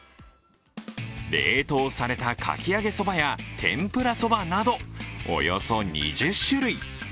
冷凍された、かき揚げそばや天ぷらそばなど、およそ２０種類。